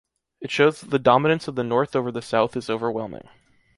It shows that the dominance of the North over the South is overwhelming.